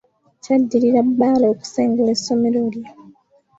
Kyaddirira Bbaale okusengula essomero lye